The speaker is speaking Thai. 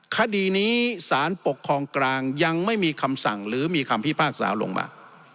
คดีนี้สารปกครองกลางยังไม่มีคำสั่งหรือมีคำพิพากษาลงมา